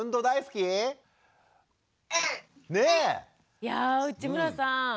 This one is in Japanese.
いや内村さん。